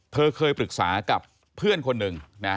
เธอเคยปรึกษากับเพื่อนคนหนึ่งนะ